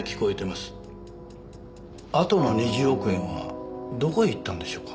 あとの２０億円はどこへいったんでしょうか？